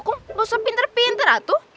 kok nggak usah pintar pintar tuh